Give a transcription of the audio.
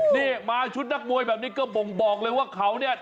นี่มาชุดนักมวยแบบนี้ก็บ่งบอกเลยว่าเขาเนี่ย